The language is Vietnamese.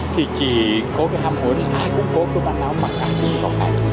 thì chỉ có cái ham muốn ai cũng có cứ bán áo mặc ai cũng có